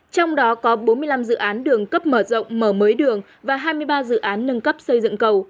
trong đó có bốn mươi năm dự án đường cấp mở rộng mở mới đường và hai mươi ba dự án nâng cấp xây dựng cầu